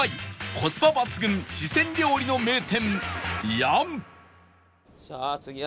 コスパ抜群四川料理の名店楊